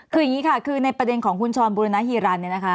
คืออย่างนี้ค่ะคือในประเด็นของคุณชรบุรณฮีรันเนี่ยนะคะ